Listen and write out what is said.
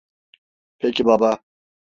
Peki baba.